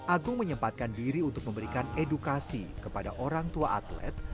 agung menyempatkan diri untuk memberikan edukasi kepada orang tua atlet